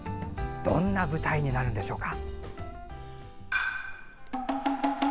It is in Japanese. どんな舞台になるんでしょうか。